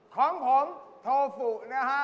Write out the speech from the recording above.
ของผมโทฟุนะครับ